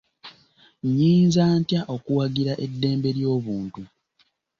Nnyinza ntya okuwagira eddembe ly'obuntu?